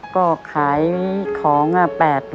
ก็ขายของอะ๘๐๐